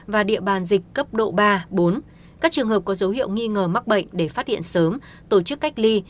và địa bàn dịch cấp độ ba bốn các trường hợp có dấu hiệu nghi ngờ mắc bệnh để phát hiện sớm tổ chức cách ly